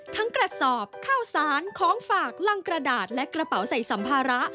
กระสอบข้าวสารของฝากลังกระดาษและกระเป๋าใส่สัมภาระ